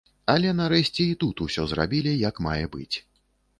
Але нарэшце і тут усё зрабілі як мае быць.